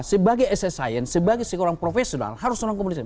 sebagai ssien sebagai seorang profesional harus orang komunikasi